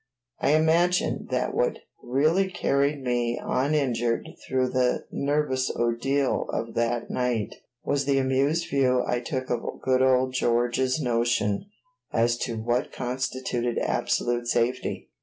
I imagine that what really carried me uninjured through the nervous ordeal of that night was the amused view I took of good old George's notions as to what constituted absolute safety.